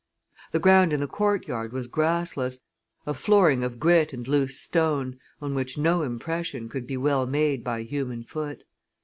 The ground in the courtyard was grassless, a flooring of grit and loose stone, on which no impression could well be made by human foot.